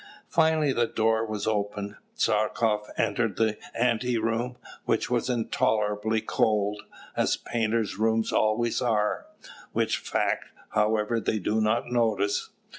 Finally the door was opened. Tchartkoff entered his ante room, which was intolerably cold, as painters' rooms always are, which fact, however, they do not notice.